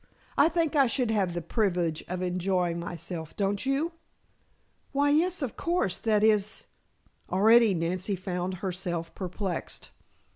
I think I should have the privilege of enjoying myself, don't you?" "Why, yes, of course. That is " Already Nancy found herself perplexed.